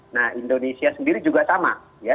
nah indonesia sendiri juga sama ya